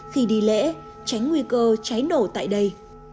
khi đi lễ tránh nguy cơ cháy nổ tại đây